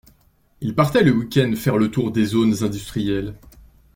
Il partait le week-end faire le tour des zones industrielles.